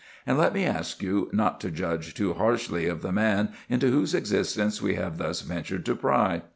And let me ask you not to judge too harshly of the man into whose existence we have thus ventured to pry.